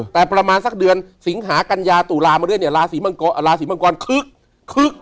แต่ประมาณสักเดือนสิงหากัญญาตุลามาด้วยเนี่ยราศีมังกรคึกคึก